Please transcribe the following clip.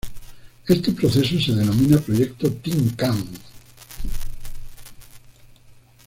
Este proceso se denominó Proyecto Tin Can.